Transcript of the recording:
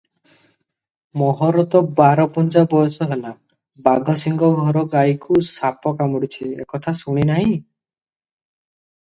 ମୋହର ତ ବାରପୁଞ୍ଜା ବୟସ ହେଲା, 'ବାଘସିଂହ ଘର ଗାଈକୁ ସାପ କାମୁଡ଼ିଛି', ଏକଥା ଶୁଣି ନାହିଁ।